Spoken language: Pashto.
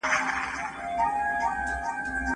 هغوی مقابل لوري ته ډاډ او اطمينان ورکړ.